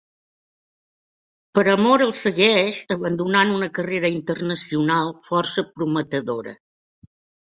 Per amor, el segueix, abandonant una carreta internacional força prometedora.